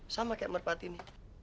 sama kayak merpati ini